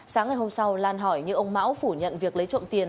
sáng ngày hôm sau lan hỏi nhưng ông mão phủ nhận việc lấy trộm tiền